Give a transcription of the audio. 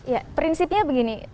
ya prinsipnya begini